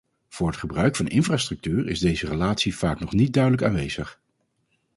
Voor het gebruik van infrastructuur is deze relatie vaak nog niet duidelijk aanwezig.